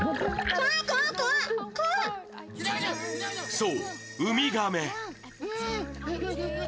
そう、ウミガメ。